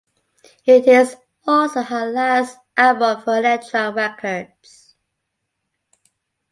It is also her last album for Elektra Records.